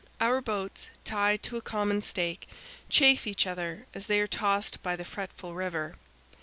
Our boats, tied to a common, stake, chafe each other as they are tossed by the fretful river.